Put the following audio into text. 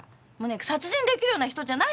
殺人できるような人じゃないんだから！